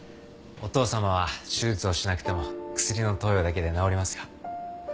お父さまは手術をしなくても薬の投与だけで治りますよ。